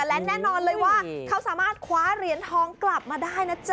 และแน่นอนเลยว่าเขาสามารถคว้าเหรียญทองกลับมาได้นะจ๊ะ